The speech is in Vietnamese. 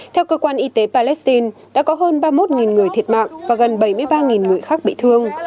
theo cơ quan y tế palestine đã có hơn ba mươi một người thiệt mạng và gần bảy mươi ba người khác bị thương